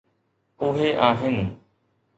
اهي آهن.